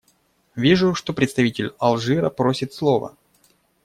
Вижу, что представитель Алжира просит слова.